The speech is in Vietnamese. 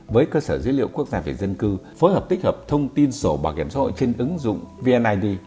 với cơ sở dữ liệu quốc gia về dân cư phối hợp tích hợp thông tin sổ bảo hiểm xã hội trên ứng dụng vnid